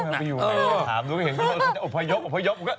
ก็อยากไปอยู่ไหนก็ถามแล้วก็เห็นอพยพอพยพ